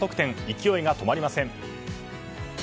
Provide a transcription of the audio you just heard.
勢いが止まりません。